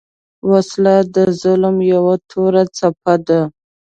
وسله د ظلم یو توره څپه ده